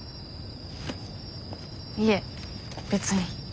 いえ別に。